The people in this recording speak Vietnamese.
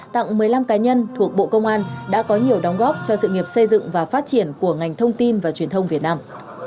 tặng một mươi năm cá nhân thuộc bộ công an đã có nhiều đóng góp cho sự nghiệp xây dựng và phát triển của ngành thông tin và truyền thông việt nam